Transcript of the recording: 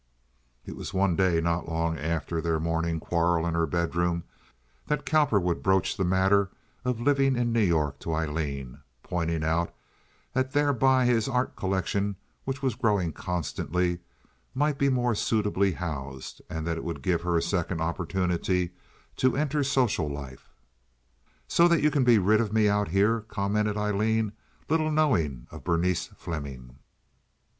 It was one day not long after their morning quarrel in her bedroom that Cowperwood broached the matter of living in New York to Aileen, pointing out that thereby his art collection, which was growing constantly, might be more suitably housed, and that it would give her a second opportunity to enter social life. "So that you can get rid of me out here," commented Aileen, little knowing of Berenice Fleming.